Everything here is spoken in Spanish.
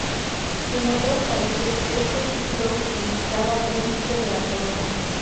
En otros países, este título significaba príncipe de la corona.